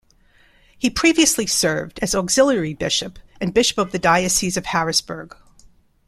He previously served as Auxiliary Bishop and Bishop of the Diocese of Harrisburg.